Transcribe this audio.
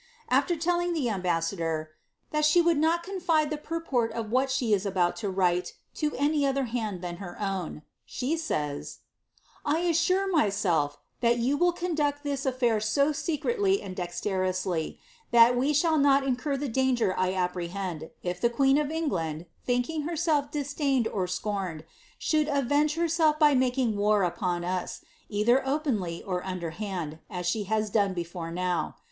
After telling the ambassador '^ that she would not confide the purport of what she is about to write to any other hand than her own," she says, ^ I assure myself that you will conduct this i&ir so secretly and dexterously, that we shall not incur the danger I tpprehend, if the queen of England, thinking herself disdained or scorned, should avenge herself by making war upon us, either openly or under hand, as she has done before now.